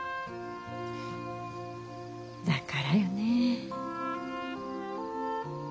だからよねえ。